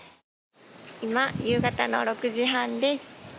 今、夕方の６時半です。